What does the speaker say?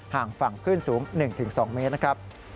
ห่างฝั่งคลื่นสูง๑๒เมตรนะครับ